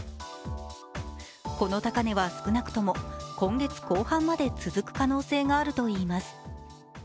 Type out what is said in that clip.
この高値は少なくとも今月後半まで続く可能性があるといいます。